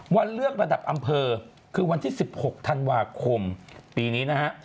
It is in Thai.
เลือกระดับอำเภอคือวันที่๑๖ธันวาคมปีนี้นะฮะ